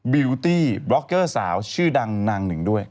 บิวตี้บล็อกเกอร์สาวชื่อดังนางหนึ่งด้วย